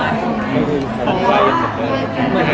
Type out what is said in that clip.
ไม่หรอก